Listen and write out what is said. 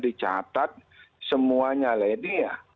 dicatat semuanya lagi ya